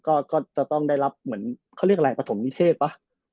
ก็ต้องได้รับเขาเรียกอะไรปฐมนิเทศปะ